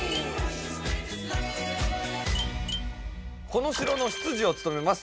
この城の執事を務めます